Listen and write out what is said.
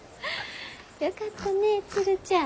よかったねえ鶴ちゃん。